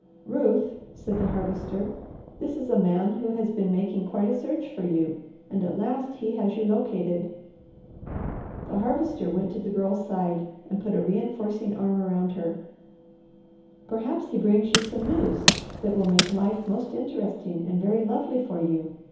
"Ruth," said the Harvester, "this is a man who has been making quite a search for you, and at last he has you located." The Harvester went to the Girl's side, and put a reinforcing arm around her. "Perhaps he brings you some news that will make life most interesting and very lovely for you.